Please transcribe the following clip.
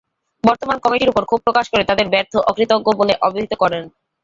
বর্তমান কমিটির ওপর ক্ষোভ প্রকাশ করে তাঁদের ব্যর্থ, অকৃতজ্ঞ বলে অবহিত করেন।